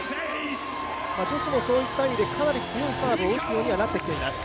女子もそういった意味で、強いサーブを打つようになってきています。